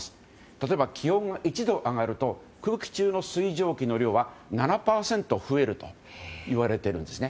例えば気温が１度上がると空気中の水蒸気の量は７％増えるといわれているんですね。